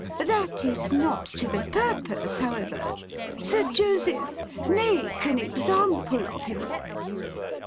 That is not to the purpose, however. Sir Joseph! Make an example of him!